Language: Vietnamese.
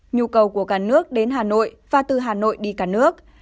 nhu cầu của cả nước đến hà nội và từ hà nội đi cả nước